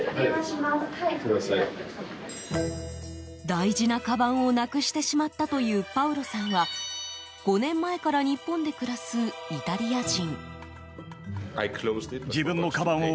大事なかばんをなくしてしまったというパウロさんは５年前から日本で暮らすイタリア人。